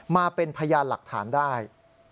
มาเป็นพยานหลักฐานได้